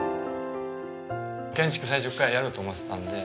建築最初からやろうと思ってたので。